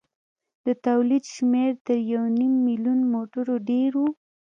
د تولید شمېر تر یو نیم میلیون موټرو ډېر و.